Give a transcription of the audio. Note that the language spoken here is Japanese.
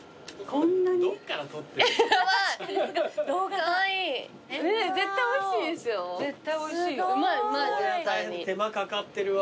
これは大変手間かかってるわ。